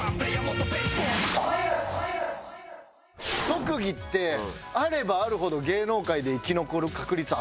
特技ってあればあるほど芸能界で生き残る確率上がるから。